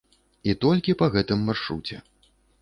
І толькі па гэтым маршруце.